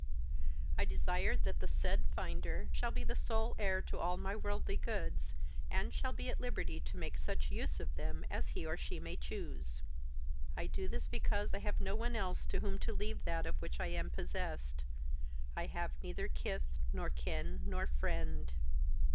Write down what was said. "I desire that the said finder shall be the sole heir to all my worldly goods, and shall be at liberty to make such use of them as he or she may choose. "I do this because I have no one else to whom to leave that of which I am possessed. "I have neither kith nor kin nor friend.